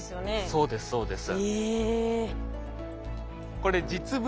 そうですそうです。えっ。